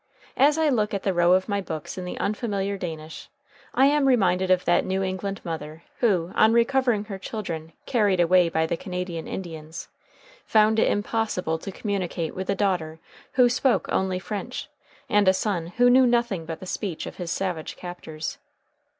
As I look at the row of my books in the unfamiliar Danish, I am reminded of that New England mother who, on recovering her children carried away by the Canadian Indians, found it impossible to communicate with a daughter who spoke only French and a son who knew nothing but the speech of his savage captors.